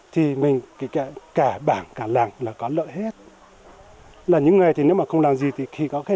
thì mình kể cả cả bảng cả làng là có lợi hết là những ngày thì nếu mà không làm gì thì khi có cái